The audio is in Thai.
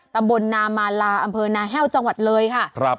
ตำบลนามาลาอำเภอนาแห้วจังหวัดเลยค่ะ